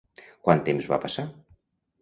Quant temps va passar?